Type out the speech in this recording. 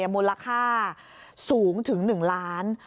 มูลค่าสูงถึง๑ล้าน